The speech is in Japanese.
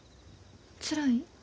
つらい？